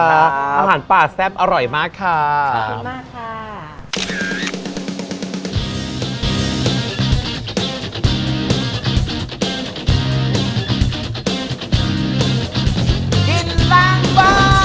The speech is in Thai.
อาหารปลาแซ่บอร่อยมากครับ